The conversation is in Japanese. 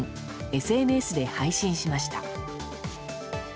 ＳＮＳで配信しました。